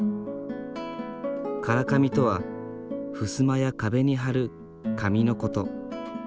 唐紙とはふすまや壁に貼る紙のこと。